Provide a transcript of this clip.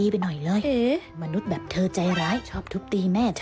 ความลับของแมวความลับของแมว